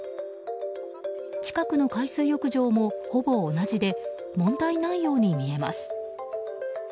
近くの海水浴場もほぼ同じで問題ないように見えます。